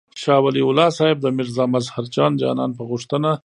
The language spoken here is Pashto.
شاه ولي الله صاحب د میرزا مظهر جان جانان په غوښتنه.